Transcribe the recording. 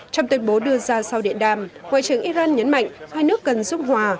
trong tuyên bố đưa ra sau điện đàm ngoại trưởng iran nhấn mạnh hai nước cần xúc hòa